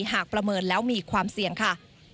ประเมินแล้วมีความเสี่ยงค่ะ